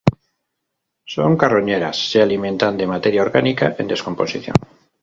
Son carroñeras, se alimentan de materia orgánica en descomposición.